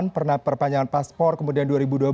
pernah perpanjangan paspor kemudian dua ribu dua belas